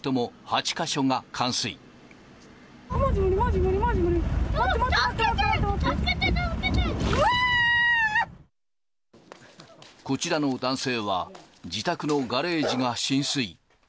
助けて、こちらの男性は、自宅のガレージが浸水。